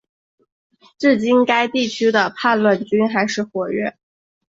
至今该地区的叛乱军还是活跃。